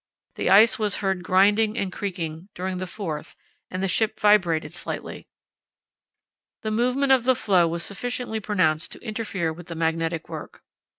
The ice was heard grinding and creaking during the 4th and the ship vibrated slightly. The movement of the floe was sufficiently pronounced to interfere with the magnetic work.